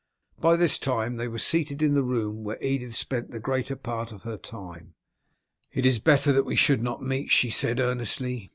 By this time they were seated in the room where Edith spent the greater part of her time. "It is better that we should not meet," she said earnestly.